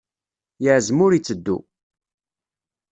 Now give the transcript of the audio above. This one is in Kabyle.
Yeɛzem ur itteddu.